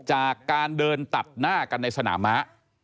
จากการเดินตัดหน้ากันในสนามม้า